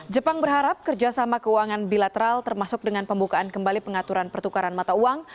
jepang berharap kerjasama keuangan bilateral termasuk dengan pembukaan kembali pengaturan pertukaran mata uang